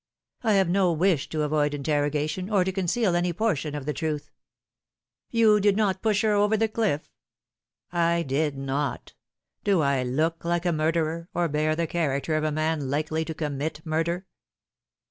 I have no wish to avoid interrogation, or to conceal any portion of the truth." " You did not push her over the cliff ?"" I did not. Do I look like a murderer, or bear the character of a man likely to commit murder